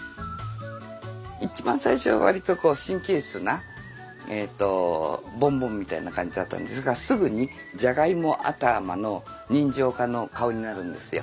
一番最初は割と神経質なボンボンみたいな感じだったんですがすぐにじゃがいも頭の人情家の顔になるんですよ。